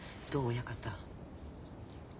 親方。